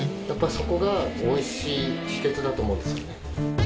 やっぱそこがおいしい秘けつだと思うんですよね。